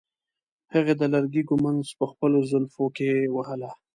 هغې د لرګي ږمنځ په خپلو زلفو کې وهله.